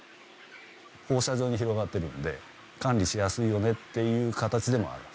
放射状に広がっているので管理しやすいよねっていう形でもあります。